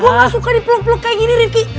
gue nggak suka dipeluk peluk kayak gini rikki